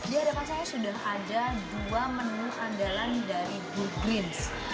di hadapan saya sudah ada dua menu andalan dari good greens